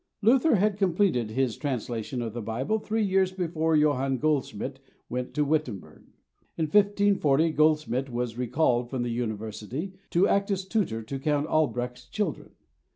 Luther had completed his translation of the Bible three years before Johann Goldschmid went to Wittenberg. In 1540 Goldschmid was recalled from the University to act as tutor to Count Albrecht's children.